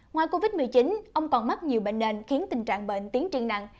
ngoài covid một mươi chín ông còn mắc nhiều bệnh nền khiến tình trạng bệnh tiến triêng nặng